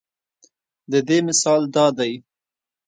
د دې مثال دا دے